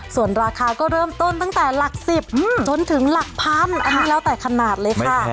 ส่วนราคาก็เริ่มต้นตั้งแต่หลัก๑๐จนถึงหลักพันอันนี้แล้วแต่ขนาดเลยค่ะ